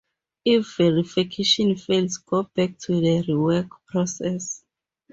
If verification fails, go back to the rework process.